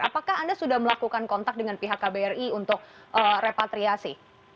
apakah anda sudah melakukan kontak dengan pihak kbri untuk repatriasi